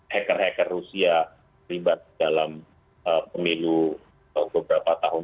hacker hacker rusia terlibat dalam pemilu beberapa tahun